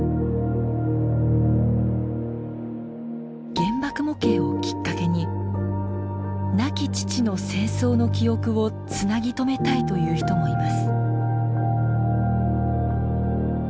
原爆模型をきっかけに亡き父の戦争の記憶をつなぎ止めたいという人もいます。